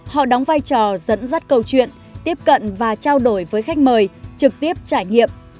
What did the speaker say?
họ đóng vai trò dẫn dắt câu chuyện tiếp cận và trao đổi với khách mời trực tiếp trải nghiệm